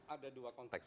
ada dua konteks